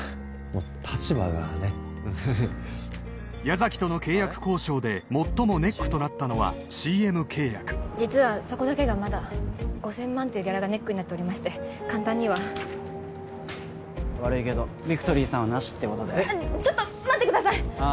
もう立場がねっ矢崎との契約交渉で最もネックとなったのはＣＭ契約実はそこだけがまだ５０００万というギャラがネックになっておりまして簡単には悪いけどビクトリーさんはなしってことでちょっと待ってくださいああ